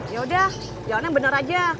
yaudah jalan yang bener aja